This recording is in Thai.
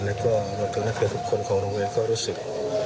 แล้วก็นักเรียนทุกคนของโรงเรียนก็รู้สึก